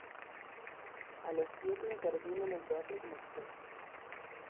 A los siete intervino en el teatro como actor.